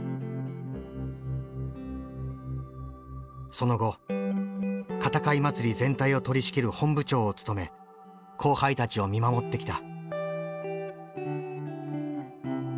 その後片貝まつり全体を取りしきる本部長を務め後輩たちを見守ってきた。